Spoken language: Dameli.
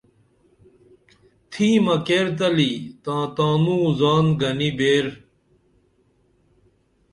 تھیمہ کیر تلی تاں تا نوں زان گنی بیر